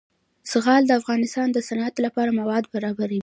زغال د افغانستان د صنعت لپاره مواد برابروي.